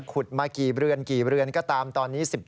ขุดมากี่เรือนกี่เรือนก็ตามตอนนี้